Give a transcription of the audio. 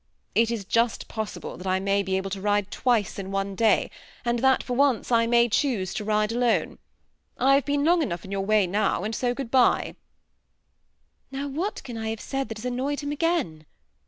^ It is just possible that I may be abde to ride twice in one day, and that for once I may choose to ride alone. I have been long enough in your way new, BtA so good by." ^' Now, what can I have said that has annoyed him again